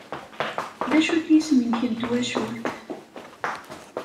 D acu-t yisem-nnek n twacult?